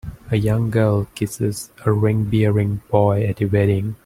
A young girl kisses a ringbearing boy at a wedding.